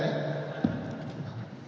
ya silahkan ini